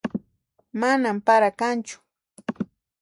Manan para kanchu